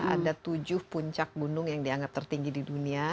ada tujuh puncak gunung yang dianggap tertinggi di dunia